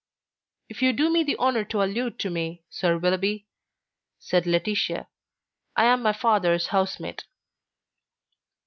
"If you do me the honour to allude to me, Sir Willoughby," said Laetitia, "I am my father's housemate."